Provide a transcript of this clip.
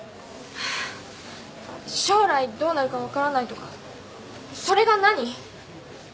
将来どうなるか分からないとかそれが何？